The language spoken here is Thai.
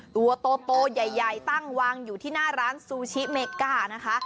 ตัวโตใหญ่ตั้งวางอยู่ที่หน้าร้านซูชิเมก้านะคะ